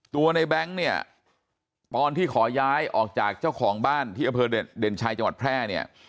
ในแบงค์เนี่ยตอนที่ขอย้ายออกจากเจ้าของบ้านที่อำเภอเด่นชัยจังหวัดแพร่เนี่ย